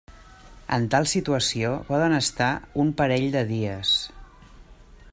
En tal situació poden estar un parell de dies.